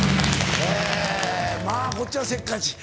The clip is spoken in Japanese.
えまぁこっちはせっかち。